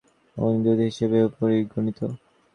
তিনি বাংলার নবজাগরণের অন্যতম অগ্রদূত হিসিবেও পরিগণিত।